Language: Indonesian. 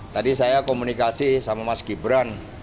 tadi saya komunikasi sama mas gibran